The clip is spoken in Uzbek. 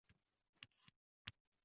Kimga uylanmoqchi ekanini so'raganda